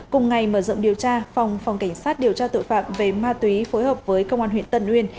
cùng ngày mở rộng điều tra phòng phòng cảnh sát điều tra tội phạm về ma túy phối hợp với công an huyện tân uyên